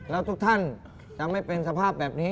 แล้วทุกท่านจะไม่เป็นสภาพแบบนี้